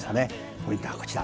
ポイントはこちら。